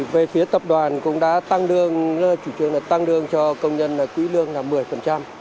về phía tập đoàn cũng đã tăng lương chủ trương là tăng lương cho công nhân quỹ lương là một mươi